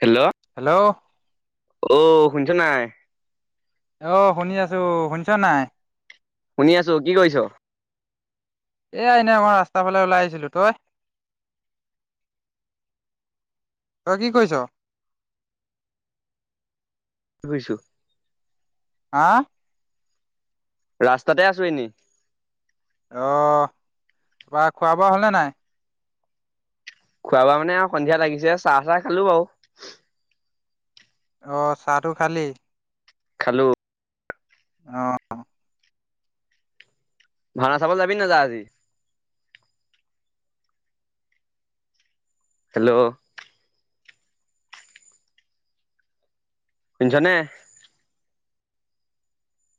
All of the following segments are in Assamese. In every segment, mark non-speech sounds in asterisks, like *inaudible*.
হেল্ল' হেল্ল' অ শুনিছ নাই? অহ শুনি আছো। শুনিছ নাই? শুনি আছো। কি কৰিছ? এ এনে মই ৰাস্তাৰ ফালে ওলাই আহিছিলো তই? তই কি কৈছ। ঘূৰিছো। হা। ৰাস্তাতে আছো এনেই। অহ ৱা খোৱা বোৱা হলেনে নাই। খোৱা বোৱা মানে আৰু সন্ধিয়া লাগিছে চাহ চাহ খালো বাও। অ চাহটো খালি। খালোঁ অ। ভাউনা চাবলৈ যাবি নাযাওঁ আজি? হেল্ল' শুনিছনে?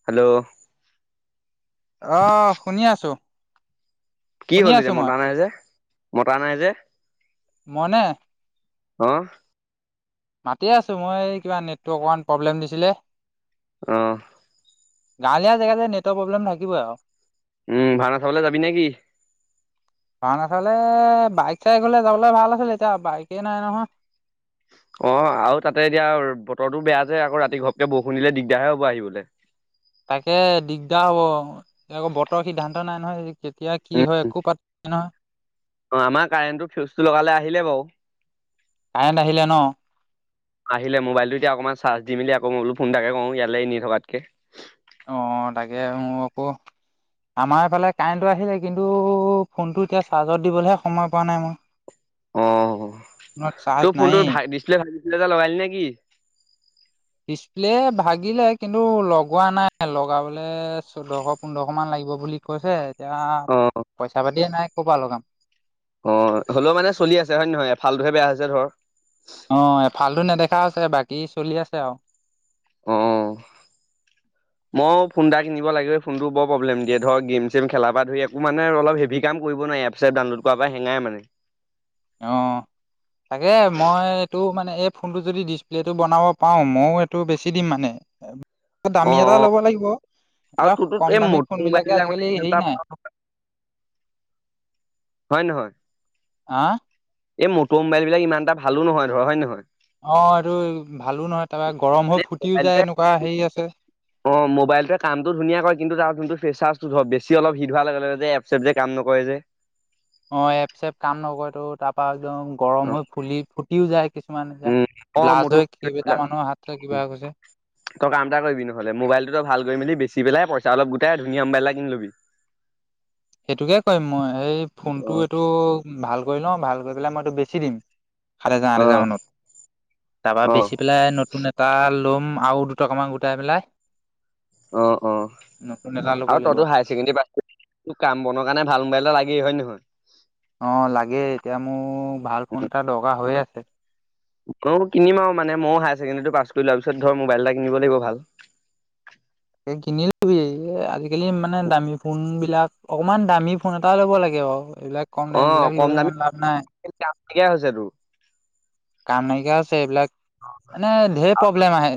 হেল্ল' অ শুনি আছো। কি শুনি হ'ল আছো এতিয়া মই মতা নাই যে মতা নাই যে। *inaudible* হা। মাতিয়ে আছো মই কিবা নেটৱৰ্ক অমান প্ৰব্লেম দিছিলে। অহ গাঁৱলীয়া জেগাতে নেটৰ প্ৰব্লেম থাকিবই আও। উম ভাওনা চাবলৈ যাবি নেকি? কাৰ নাচালে বাইক চাই গলে যাবলৈ ভাল আছিল এতিয়া বাইকে নাই নহয়। অ আৰু তাতে এতিয়া বতৰটো বেয়া যে আকৌ ৰাতি ঘপকে বৰষুণ দিলে দিগদাৰে হ'ব আহিবলে। তাকে দিগদাৰ হ'ব আকৌ বতৰৰ সিদ্ধান্ত নাই নহয়। তেতিয়া উম কি হয় একো পাত নহয়। অ আমাৰ কাৰেণ্টৰ ফিউজটো লগালে আহিলে বাও। কাৰেণ্ট আহিলে ন। আহিলে মোবাইলটো এতিয়া অকণমান চাৰ্জ দি মেলি আকৌ বোলো ফোনটাকে কৰওঁ ইয়ালৈ নি থকাতকে। অ তাগে অ ক আমাৰফালে কাৰেণ্টটো আহিলে কিন্তু ফোনটো এতিয়া চাৰ্জত দিবলৈহে সময় পোৱা নাই মই। অ ফোনত চাৰ্জ তোৰ ফোনটো নায়েই ভাই ডিছপ্লে ভাঙিছিলে ডিছপ্লে লগালে না কি ডিছপ্লে ভাগিলে কিন্তু লগোৱা নাই লগাবলৈ চৈধ্যশ পোন্ধৰশ মান লাগিব বুলি। কৈছে এতিয়া অ পইচা পাতিয়ে নাই ক'বা লগাম। অ হ'লেও মানে চলি আছে হয় নে নহয় এফালটোহে বেয়া হৈছে ধৰ। অ এফালটো নেদেখা আছে বাকী চলি আছে আও। অ'। মইো ফোন এটা কিনিব লাগিবেই ফোনটো বৰ প্ৰব্লেম দিয়ে ধৰক গেম-চেম খেলা পৰা ধৰি একো মানে অলপ হেভি কাম কৰিব এপ চেপ ডাউনলোড কৰা পৰা সেঙাই মানে। অ'। তাকে মই এইটো মানে এই ফোনটো যদি ডিচপ্লেটো বনাব পাৰো মইও এইটো বেছি দিম মানে। অ দামী এটা অ ল'ব লাগিব। আৰু এইবিলাক তোৰতোত কম এই দামী ফোন মটৰ বিলাকে মোবাইল আজিকালি হেৰি বিলাক নাই মানে *unintelligible* হয় নহয়? আহ? এই মটৰ মোবাইল বিলাক ইমান এটা ভালো নহয় ধৰ হয় নে নহয়? অ', এইটো ভালো নহয় তাৰপৰা গৰম মানে হৈ ফুটিও যায় মোবাইলটোৱে এনেকুৱা হেৰি আছে। অ', মোবাইলটোৱ কামটো ধনীয়া কৰে কিন্তু তাৰ যোনটো ফেচাৰ্ টো ধৰ বেছি অলপ হিট হোৱাৰ লগে-লগে যে এপ চেপ যে কাম নকৰে। যে অ', এপ চেপ কাম নকৰে তো তাৰ পৰাা একদম অ। গৰম হৈ ফুলি ফুটিও যায়। কিছুমান এতিয়া উম অ ব্লাছ মটৰ হৈ বিলাক কিবটা মানুহৰ হাত কিবা গৈছে তই কাম এটা কৰিবিহ'লে মোবাইলটোো ভাল কৰি মেলি বেছি পেলাই পইচা অলপ গোটেই ধুনীয়াম বাইলা কিনি লবি সেইটোকে কৰিম মই এই ফোনটো অ', এইটো ভাল কৰি লৈ, ভাল কৰি পেলাই মই এইটো বেছি দিম সাত হাজাৰ আঠ হোজাৰ অ', মানত, তাৰাবা বেচি পেলাই নতুন এটা ল'ম আৰু দুটকামান গোটাই পেলাই অ'-অ', নতুন এটা ল'ব আৰু লাগিব তইতো হায়াৰ ছেকেণ্ডৰী পছ *unintelligible* কাম বন কাৰণে ভাল মোবাইল লাগেই হয় নহয়? অ', লাগে এতিয়া মোৰ ভাল ফোন এটা দৰকাৰ হৈ আছে। অ', কিনম আৰু মানে ময়ো হায়াৰ ছেকেণ্ডেৰী টো পাছ কৰি লোৱাৰ পিছত ধৰ মোবাইল এটা কিনিব লাগিব ভাল *inaudible* এই কিনি লবি এ আজিকালি মানে দামী ফোন বিলাক অকমান দামী ফোন এটা ল'ব লাগে বাৰু। এইবিলাক কম দামি বিলাক লৈ ইমান লাভ নাই। কে হৈছে তোৰ কাম নাইকিয়া আছে এইবিলাক, মানে ধঢেৰ প্ৰব্লেম আহে।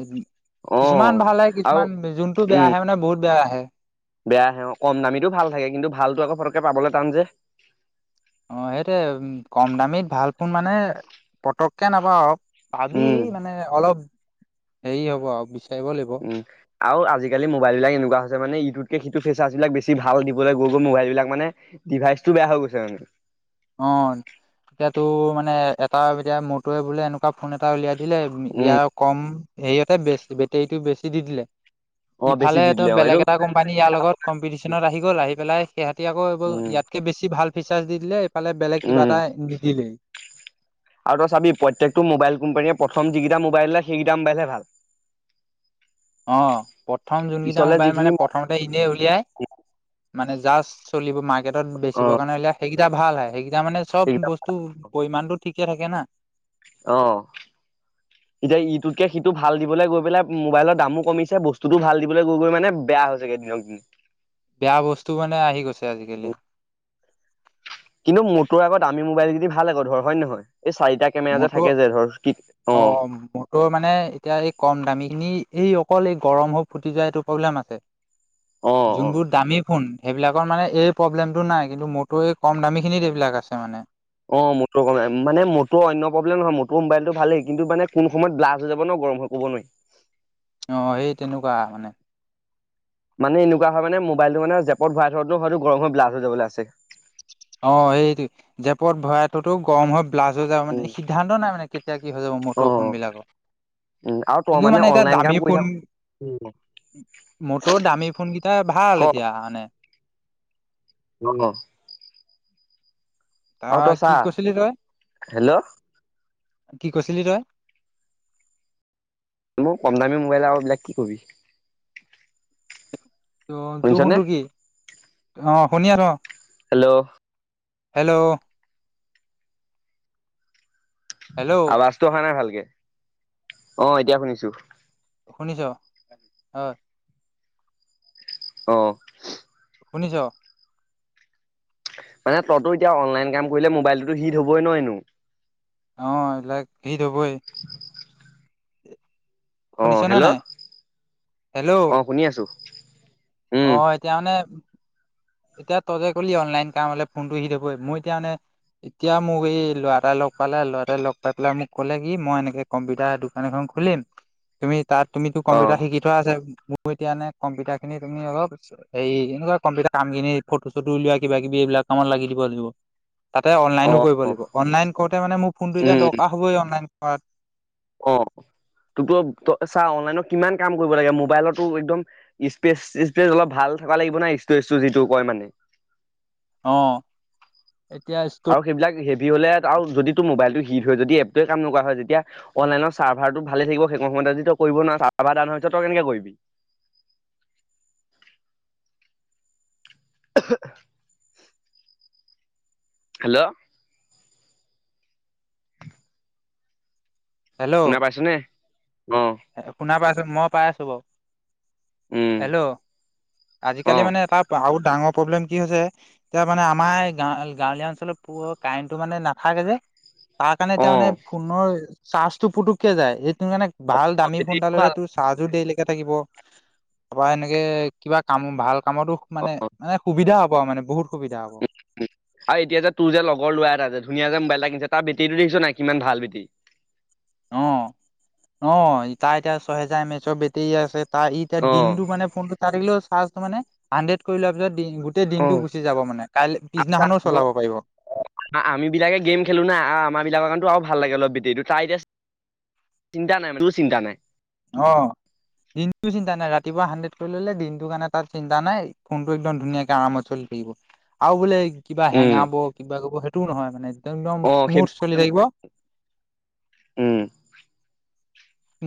অ'। কিছুমান ভালে আৰু কিছুমান যোনতটো বেয়া আহে মানে বহুত বেয়া আহে। বেয় আহে অ', কম দামীটো ভাল থাকে কিন্তু ভালতো আকৌ ফটককে পাবলৈ টান যে। অ', সেইটো কম দামীত ভাল ফোন মানে পতককে নাপাও। পাবি উম। মানে অলপ হেৰি হ'ব আৰু বিচাৰিব লাগিব উম', আৰু আজিকালি মোবাইল বিলাক এনেকুৱা হৈছে মানে ইটোত কেই হিটো ফেচাৰছ বিলাক বেছি ভাল দিবলৈ গৈ-গৈ মোবাইল বিলাক মানে ডিভাইচটো বেয়া হৈ গৈছে মানে অ', এতিয়া তোৰ মানে এটা এতিয়া মোৰটে বোলে এনেকুৱা ফোন এটা উলিয়াই দিলে উম। ইয়াৰ কম হেৰিয়তে বেছি বেটেৰীটো বেছি দি দিলে। অ বেছি ইফালে দি এটো দিলে অ এইটো বেলেগ এটা কোম্পানী ইয়াৰ লগত কম্পিটিশ্যনত আহি গ'ল আহি পেলাই সিহঁতি আকৌ এইবোৰ উম ইয়াত কে বেছি ভাল ফিচাৰছ দি দিলে এইফালে বেলেগ কিবা উম এটা নিদিলেই আৰু তই চাবি প্ৰতকটো মোবাইল কোম্পান প্ৰথ যি কটা মো মোবাইল ওলাই হেকিতা মোবাইল হে ভাল অ', প্ৰথম যোনকেইটা পিছলে মোবাইল যিখিনি মানে প্ৰথমতে এনে উলিয়াই মানে জাষ্ট চলিব মাৰ্কেটত অ বেচিবৰ কাৰণে উলিয়াই সেই ভাল হয় সেইকেইটা মানে চব সেইকেইটা বস্তুৰ পৰিমানটো ঠিকে থাকে না। অ'। এতিয়া ইটোতকে সিটো ভাল দিবলৈ গৈ পেলাই মোবাইলৰ দামো কমিছে বস্তুতটো ভাল দিবলৈ গৈ-গৈ মানে বেয়া হৈছে গে দিনক দিন। বেয়া বস্তু মানে আহি গৈছে। আজিকালি কিন্তু মতৰ আকো দামি মোবাইল খিনি ভাল আকৌ ধৰ হয় নে নহয়? এই চাৰিটা কেমেৰা যে মটোৰ থাকে যে ধৰ কি অ মটোৰ মানে এতিয়া এই কম দামী খিনি এই অকল এই গৰম হ ফুটি যোৱা এইটো প্ৰব্লেম আছে অ অ যোনবোৰ দামী ফোন সেইবিলাকৰ মানে এই প্ৰব্লেমটো নাই কিন্তু মোৰতো এই কম দামীখিনিত এইবিলাক আছে মানে। অ মটৰ ক মানে মৰ অন্য প্ৰব্লেম নহয় মটৰ মোবাইলটো ভালেই কিন্তু মানে কোন সময়ত ব্লাষ্ট হৈ যাব ন *unintelligible* মই কব নোৱাৰি। *unintelligible* অ সেই তেনেকুৱা মানে মানে এনেকুৱা হয় মানে মোবাইলটো মানে জেপত ভৰাই থো হয়ো গৰম হৈ ব্লাষ্ট হৈ যাবলৈ আছে। অ সেইটো জেপত ভৰাইথৌতেও গৰম হয়। *unintelligible* প্লাছ হৈ যাব মানে উম, সিদ্ধান্ত নাই মানে কেতিয়া কি হৈ যাব মটৰ ফোন বিলাকৰ *unintelligible* আৰু তই কিন্তু মানে এতিয়া অনলাইন কাম দামী কৰি থাক ফোন মটৰ দামী ফোন কেইটা ভাল এতিয়া মানে *unintelligible* মানে *unintelligible* ত কি কৰিছিলি তই? হেল্ল' কি কৈছিলি তই? মোৰ কম দামী মোবাইল আৰু এইবিলাক কি কবি। *unintelligible* ত তোৰ শুনিছনে? শুধো কি অ শুনি আছো অ *unintelligible* হেল্ল'। হেল্ল' হেল্ল' আৱাজটো অহা নাই ভালকে অ এতিয়া শুনিছো। শুনিছ অ। অ। শুনিছ। মানে তইতো এতিয়া অনলাইন কাম কৰিলে মোবাইলটোতো শিট হবই এনেইও। *unintelligible* অ ল হিত হবই *unintelligible* অ শুনিছ নে নাই হেল্ল' হেল্ল' অ শুনি আছো। অ উম, এতিয়া মানে এতিয়া ততে কলি অনলাইন কাম হলে ফোনটো সি থবই মই এতিয়া মানে। *unintelligible* এতিয়া মোক এই ল'ৰাএটাই লগ পালে লৰাএটাই লগ পাই পেলাই মোক ক'লে কি মই এনেকে কম্পিউটাৰ দোকান এখন। *unintelligible* খুলিম তুমি তাত তুমিতো অ', কম্পিউটাৰ শিকি থোৱা আছে মোৰ এতিয়ানে কম্পিউটাৰ খিনি তুমি অলপ হেৰি এনেকুৱা কম্পিউটাৰ। *unintelligible* কাম কিনি ফটো চটো উলওা কিবা কিবি এইবিলাক আমাৰ লাগি দিব লাগিব। তাতে অনলাইনো অ', কৰিব অ', লাগিব অনলাইন কৰোতে মানে মোৰ ফোনটো এতিয়া উম, দৰকাৰ হ'বই অনলাইন কৰাত। *unintelligible* অ তোৰতো ত চা অনলাইনত কিমান কাম কৰিব লাগে মোবাইলতো একদম স্পেচ স্পেচ অলপ ভাল। *unintelligible* ভাল থকা লাগিব ন ই যিটো কয় মানে। অ। এতিয়া ষ্ট আৰু সেইবিলাক সেই। যি হ'লে আৰু যদি তোৰ মোবাইলটো হিট হয় যদি এপটোৱে কাম নকৰা হয় তেতিয়া অনলাইনৰ চাৰ্ভাৰটো ভাল থিব সেই সময়। *unintelligible* য কৰিব নোৱাৰ চাৰ্ভাৰ ডাউন হৈছে তই কেনেকে কৰিবি। *unintelligible* *inaudible* হেল্ল' হেল্ল' শুনা পাইছেনে? শুনা পাই আছো মই পাই আছো বাৰু *unintelligible* উম হেল্ল' অ আজিকালি মানে তাৰ ডাঙৰ প্ৰব্লেম কি হৈছে এতিয়া মানে আমাৰা গাঁৱলীয়া অঞ্চলত প কাৰেণ্টটো মানে নাথাকে যে *unintelligible* তাৰ কাৰণে অ তাৰ মমানে ফোনৰ চাৰ্জটো পুটুককে যায় সটো মানে। *unintelligible* ভাল দামী ফোন এটা বেটেৰীটো ললে ভাল তোৰ চাৰ্জো দেৰিলৈকে থাকিব তাৰপৰা এনেকে কিবা কামো ভাল। *unintelligible* কামতো মানে অ মানে সুবিধা হ'ব আৰু মানে বহুত। সুবিধা হ'ব আৰু এতিয়া যে তোৰ যে লগৰ লৰা এটা যে ধুনীয়া যে মবাইলাক নি *unintelligible* তাৰ বেটিটো দেখিছ নাই কিমান ভাল বেটি। অ অ তা এতিয়া ছহেজাৰ মেচৰ বেটি আছে ত ইতিয়া অ দিনতটো মানে ফোনতটো তা থাকিলেও চাৰ্টো মানে আনডেট কৰি লোৱাৰ পিছত গোটেই অ দিনটো গুচি যাব মানে কাই আৰু পিছদিনাখনো তাৰ চলাব পাৰিব আমি বিলাকে গেম খেলো নাই আমাৰ বিলাকৰ কাৰণো অলপ ভাল লাগে অলপ বেটিটো তাই এতিয়া চিন্তা নাই মান তোৰ চিন্তা নাই অ দিনটো চিন্তা নাই ৰাতিপুৱা হাণ্ড্ৰেড কৰি ললে দিনটোৰ কাৰণে তাত চিন্তা নাই ফোনটো একদম ধুনীয়াকে আৰামত চল আৰু বোলে কিবা উম হেঙাব কিবা কৰিব সেইটোও নহয় মানে একদম অ সেই স্মুথ চলি থাকিব উম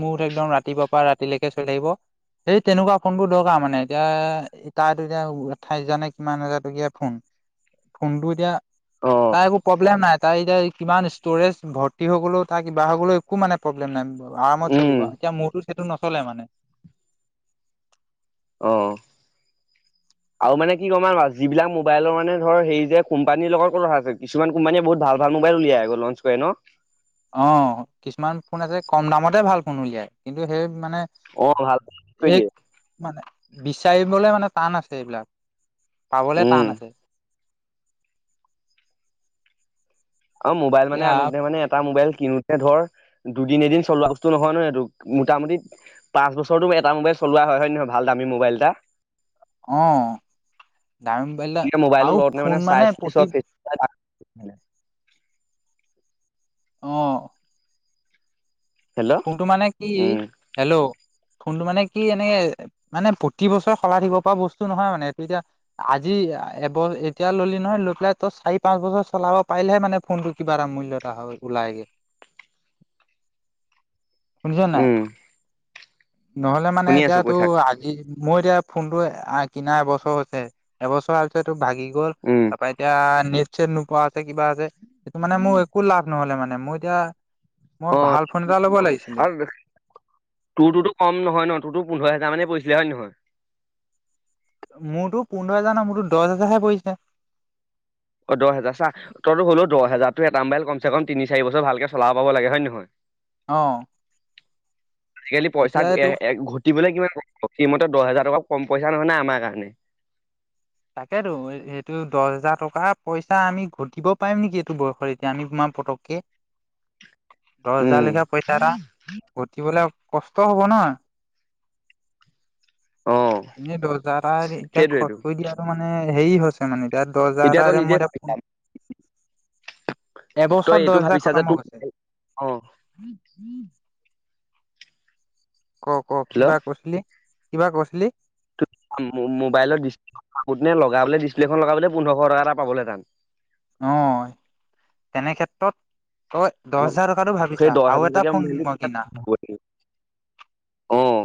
মঠ একদম ৰাতিপুৱাৰ পৰা ৰাতিলৈকে চৈ আহিব এইেই তেনেকুৱা ফোনবোৰ দৰকাৰ মানে এতিয়া তাতো এতিয়া আঠাইছ হাজাৰ নে কিমান হাজাৰ টকীয়া ফোন ফোনটো এতিয়া অ তাৰ একো প্ৰব্লেম নাই তাৰ এতিয়া কিমান ষ্ট'ৰেজ ভৰ্তি হৈ গ'লও তাৰ কিবা হৈ গ'লেও একো মানে প্ৰব্লেম নাই আৰামত উম চলিব এতিয়া মোৰতো সেইটো নচলে মানে অহ আৰু মানে কি ক'ম আৰু যিবিলাক মোবাইলৰ মানে ধৰ হে যে কোম্পানীৰ লগত কথা আছে কিছুমান কোম্পানীয়ে বহুত ভাল ভাল মোবাইল উলিয়াই আৰু লঞ্চ কৰে ন অ কিছুমান ফোন এছে কম দামতে ভাল ফোন উলিয়াই কিন্তু সেই মানে অ ভাল কৰি এই দিয়ে মানে বিচাৰিবলে মানে টান আছে এইবিলাক পাবলে টান উম আছে অ মোবাইল মানে এতিয়া আনো নে মান এটা মোবাইল কিনোতে ধৰ দুদিন এদিন চলোৱা বস্তু নহয় নয় এই মোটামুটি পাঁচ বছৰৰতো এটা মোবাইল চলোৱা হয় নে নহয় ভাল দামী মোবাইল এটা অ ডামি মোবাইল এতিয়া মোবাইলটো আৰু লওঁতে ফোন চাই মানে চিতি চব প্ৰতি ফেচি, অহ হেল্ল' ফোনটো মানে কি উম হেল্ল' ফোনটো মানে কি এনেকে মানে প্ৰতি বছৰ শলাই থাকিব পৰা বস্তু নহয় মানে এইটো এতিয়া আজি যি এব এতিয়া ল'লি নহয় লৈ পেলাই তই চাৰি পাঁচ বছৰ চলাব পাৰিলেহে মানে ফোনটো কিবা এটা মূল্যত ত হয় ওলাইগে *inaudible* শুনিছ নাই উম নহলে মানে শুনি আছো কৈ এতিয়াতো থাক আজি মোৰ এতিয়া ফোন টো কিনা এবছৰ হৈছে এবছৰ পিছতটো ভাগি গ'ল উম তাৰপৰা এতিয়া নেট চেট নোপোৱা আছে কিবা আছে সেইটো মানে মোৰ একো লাভ নহলে মানে মই এতিয়া মই অ ভাল ফোন এটা ল'ব লাগিছিলে আৰু তুমি কম নহয় ন তোৰতো পোন্ধৰ হেজাৰ মানে পৰিছিলে হয়ে নহয় মোৰতো পোন্ধৰ হাজাৰ ন মোৰতো দহ হাজাৰহে পৰিছে অ দহ হাজজাৰ চ তো হ'লো দহ হেজাৰতটো এটা মো্বাইল কমে কম তিনি চাৰি বছৰ ভালকে চলাব পাব লাগে হয় নে নহয় অ আজিকালি পইচা এতিয়া এইটো ঘটিবলৈ কিমান সিমতে দহ হাজাৰ টকা কম পইচা নহয় নাই আমাৰ কাৰণে তাকেতো এইটো দহ হোজাৰ টকা পইচা আমি ঘটিব পাৰিম নেকি এইটো বয়সত এতিয়া আমি- পটককে হয়। দহ হোজাৰ লেখা পইচা এটা ঘটিবলৈ কষ্ট হব ন অ এনেই দজাৰ এতিয়া সেইটোৱেইটো খচ মানে হেৰি হৈছে মানে এতিয়া দহ তই হাজাৰট মই নিজে এতিয়া ভাবিছা ফোন তই এবছৰত দহ এইটো হাজাৰ ভাবিছা যে খতম হৈ তোৰ অ গৈছে ক ক কিবা কৈছিলি কিবা কৈছিলি। তো। মোবাইলত ডিছপ্লে খন লগাবলে ডিছপ্লেখন লগাবলৈ পোন্ধৰশ টকা এটা পাবলেতান। অ তেনে ক্ষেত্ৰত। অ দহ হাজাৰ টকাটো সেই ভাবিছা দহ আৰু এটা হাজাৰলৈকে ফোন মই কিনা। অহ।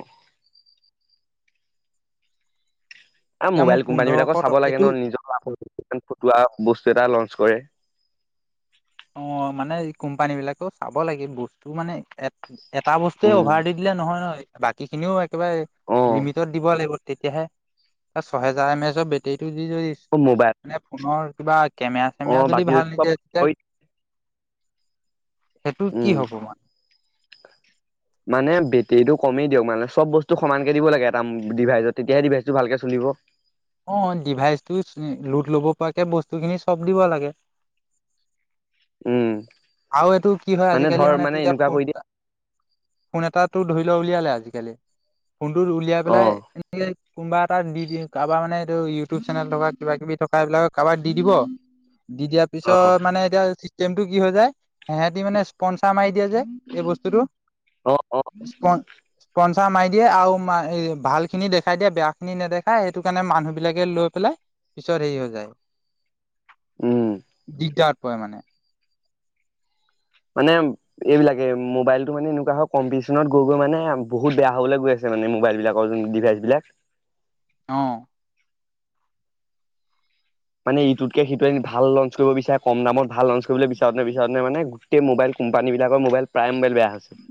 আ এতিয়া মোৰ মোবাইল কোম্পানী পোন্ধৰশ বিলাকো চাব টকা লাগে এইটো ন নিজৰ লা ফটোৱা বস্তু এটা লঞ্চ কৰে। অ মানে কোম্পানী বিলাকও চাব লাগে বস্তু মানে। এটা বস্তুৱে উম অভাৰ দি দিলে নহয় নহয়। বাকী খিনিও একেবাৰে অ লিমিটত দিব লাগিব তেতিয়াহে ছহেজাৰ এম এচৰ বেটেৰী। য যদি অ মোবাইল মানে ফোনৰ কিবা কেমেৰা অ চেমেৰা যদি বাকী ভাল চব নিদিয়ে তেতিয়া। সেইটো কি উম হ'ব মানে। মানে বেটেৰীটো কমেই দিয়ক মানে চব বস্তু সমানকে দিব লাগে এটা ডিভাইজত তেতিয়াহে ডিভাইচটো ভালকে চলি। দিব। অ ডিভাইচটো লোড ল'ব পৰাকে বস্তুখিনি চব দিব লাগে। উম। আৰু এইটো কি হয় আজিকালি ধৰ মানে তেতিয়া এনেকুৱা ফোন কৰি দিয়ে এটা। ফোন এটাটো ধৰি লোৱা উলিয়ালে আজিকালি ফোনটোত উলিয়াই অ পেলাই এনেকে। কোনোবা এটাত দিয়ে কাৰোবাৰ মানে এইটো ইউটিউব চেনেল থকা কিবা কিবি থকা এইবিলাক কাৰোবাক দি দিব। দি দিয়াৰ অ পিছত মানে এতিয়া চিষ্টেম টো কি হৈ যায়। সেতি মানে স্পনচাৰ মাৰি দিয়ে যে এই বস্তুটো। অ অ চাৰ মাৰি দিয়ে আৰু ভাল খিনি দেখাই দিয়ে বেয়া খিনি নেদেখাই সেইটো কাৰণে মানুহ বিলাকে লৈ পেলাই। পিছত হেৰি হৈ যায় উম দিগদাৰত পৰে মানে। মানে এইবিলাকে মোবাইলতটো মানে এনেকুৱা হয় কম্পিটিচনত গৈ গৈ মানে বহুত বেয়া হবলৈ গৈ আছে। মানে মোবাইল বিলাক ডিভাইচ বিলাক। অ। মানে ইউটটোতকে সিটো ভাল লঞ্চ কৰিব বিচাৰে কম দামত ভাল লঞ্চ কৰিবলৈ বিচাৰো বিচোৰোতে মানে গোটেই মোবাইল। কোম্পানী বিলাকৰ মোবাইল প্ৰায় মোবাইল বেয়া হৈছে।